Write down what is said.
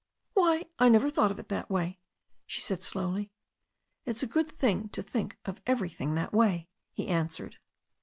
"Why, I never thought of it that way," she said slowly. "It's a good thing to think of everything that way," he answered.